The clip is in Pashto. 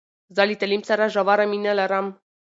زه له تعلیم سره ژوره مینه لرم.